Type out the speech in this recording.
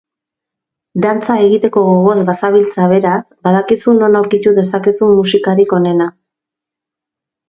Dantza egiteko gogoz bazabiltza beraz, badakizu non aurkitu dezakezun musikarik onena!